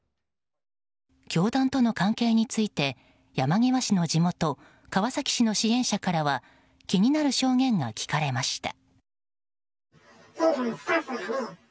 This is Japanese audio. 教団との関係について山際氏の地元川崎市の支援者からは気になる証言が聞かれました。